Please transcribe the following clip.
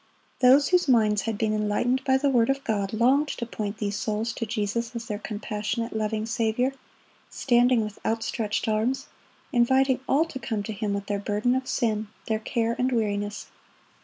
Those whose minds had been enlightened by the word of God longed to point these souls to Jesus as their compassionate, loving Saviour, standing with outstretched arms, inviting all to come to Him with their burden of sin, their care and weariness.